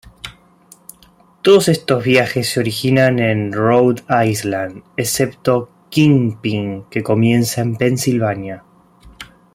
Todos estos viajes se originan en Rhode Island, excepto "Kingpin", que comienza en Pensilvania.